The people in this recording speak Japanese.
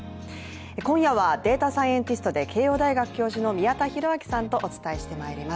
今夜はデータサイエンティストで慶応大学教授の宮田裕章さんとお伝えしてまいります。